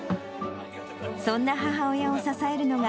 そんな母親を支えるのが、